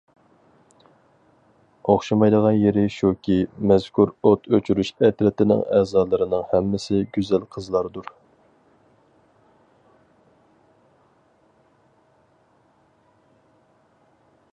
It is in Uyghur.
ئوخشىمايدىغان يېرى شۇكى، مەزكۇر ئوت ئۆچۈرۈش ئەترىتىنىڭ ئەزالىرىنىڭ ھەممىسى گۈزەل قىزلاردۇر.